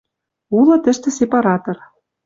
Улы тӹштӹ сепаратор